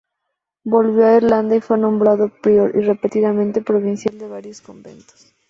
Volvió a Irlanda y fue nombrado prior y repetidamente provincial de varios conventos.